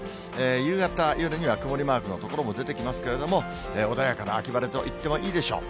夕方、夜には曇りマークの所も出てきますけれども、穏やかな秋晴れといってもいいでしょう。